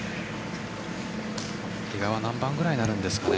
比嘉は何番ぐらいになるんですかね？